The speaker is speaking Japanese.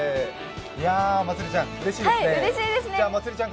まつりちゃん、うれしいですね。